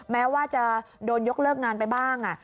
แม้ว่าจะโดนยกเลิกงานไปบ้าง